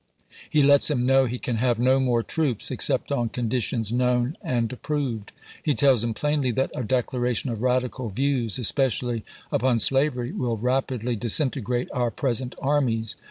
He lets him know he can have no more troops, except on conditions known and approved. He tells him plainly that " a declaration of radical views, especially upon slavery, will rapidly disinte grate our present armies."